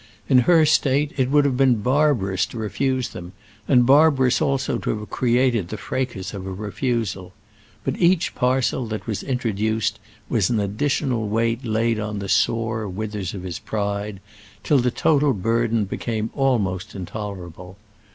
In her state it would have been barbarous to refuse them, and barbarous also to have created the fracas of a refusal; but each parcel that was introduced was an additional weight laid on the sore withers of his pride, till the total burden became almost intolerable.